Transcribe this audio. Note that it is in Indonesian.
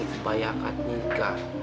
kebaya akan nikah